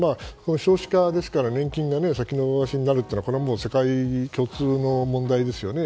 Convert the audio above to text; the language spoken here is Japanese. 少子化ですから年金が先延ばしになるというのは世界共通の問題ですよね。